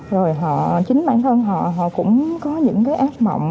rồi họ chính bản thân họ họ cũng có những cái ác mộng